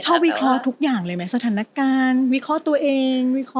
ชอบวิเคราะห์ทุกอย่างเลยไหมสถานการณ์วิเคราะห์ตัวเอง